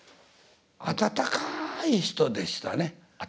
温かい人でしたね。